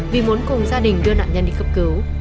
vì muốn cùng gia đình đưa nạn nhân đi cấp cứu